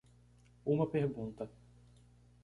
Uma pergunta.